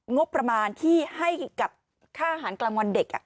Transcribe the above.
งบประมาณที่ให้กับค่าอาหารกลางวันเด็ก